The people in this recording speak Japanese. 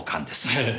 ええ。